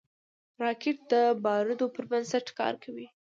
راکټ د بارودو پر بنسټ کار کوي